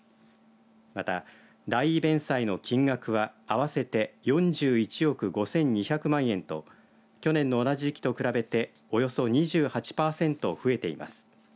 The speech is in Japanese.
また、代位弁済の金額は合わせて４１億５２００万円と去年の同じ時期と比べておよそ２８パーセント増えています。